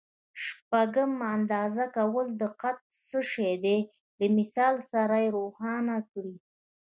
شپږم: د اندازه کولو دقت څه شی دی؟ له مثال سره یې روښانه کړئ.